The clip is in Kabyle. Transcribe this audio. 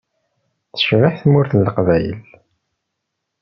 Tecbeḥ Tmurt n Leqbayel.